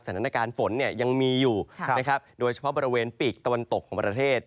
สถานการณ์ฝนยังมีอยู่นะครับโดยเฉพาะบริเวณปีกตะวันตกของประเทศ